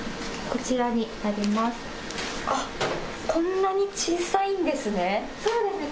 こんなに小さいんですね。